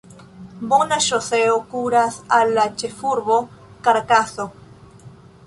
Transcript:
Bona ŝoseo kuras al la ĉefurbo Karakaso.